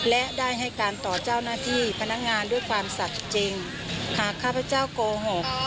และได้ให้การต่อเจ้าหน้าที่พนักงานด้วยความศักดิ์จริงหากข้าพเจ้าโกหก